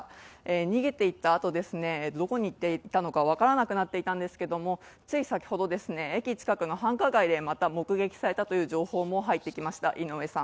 逃げていったあと、どこに行ったのか分からなくなっていたんですけれども、つい先ほど、駅近くの繁華街で目撃されたという情報が入ってきました。